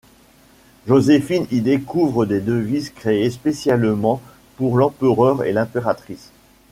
Joséphine y découvre des devises créées spécialement pour l’empereur et l’impératrice.